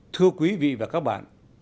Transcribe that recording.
thưa quý vị và các bạn